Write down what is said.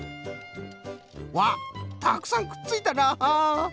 わったくさんくっついたな！